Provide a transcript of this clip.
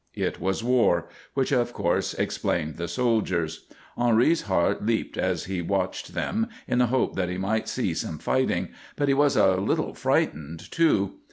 It was war, which of course explained the soldiers. Henri's heart leaped as he watched them in the hope that he might see some fighting, but he was a little frightened, too.